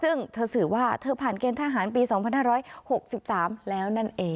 ซึ่งเธอสื่อว่าเธอผ่านเกณฑ์ทหารปี๒๕๖๓แล้วนั่นเอง